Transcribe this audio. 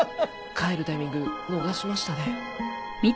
帰るタイミング逃しましたね。